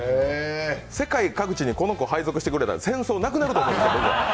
世界各地にこの子配属してくれたら戦争なくなると思うんです、僕は。